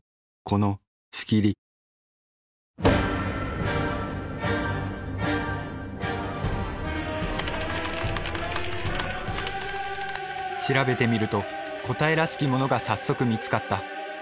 この「仕切り」調べてみると答えらしきものが早速見つかった。